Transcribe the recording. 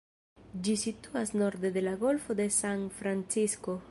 Ĝi situas norde de la Golfo de San-Francisko.